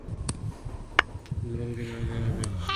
دل بہت کچھ جلا کے دیکھ لیا